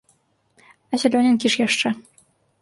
А зялёненькі ж яшчэ.